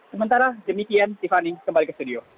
sementara demikian tiffany kembali ke studio